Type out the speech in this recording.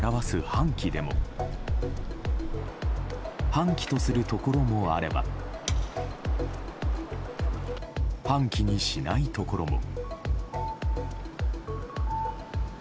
半旗とするところもあれば半旗にしないところも。